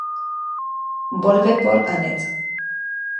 Volve pór a Ned.